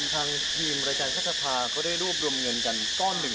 ทางทีมรายการแพทย์สภาเขาได้รวบรวมเงินกันก้อนหนึ่ง